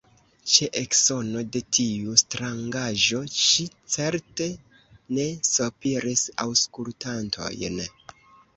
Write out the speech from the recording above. Ĉe eksono de tiu strangaĵo ŝi certe ne sopiris aŭskultantojn.